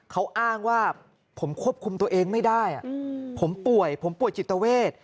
เขาอ้างว่าผมควบคุมตัวเองไม่ได้ผมป่วยผมป่วยจิตเวท